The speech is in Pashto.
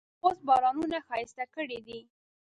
خوست بارانونو ښایسته کړی دی.